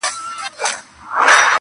• ذوالقافیتین -